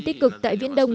tích cực tại viễn đông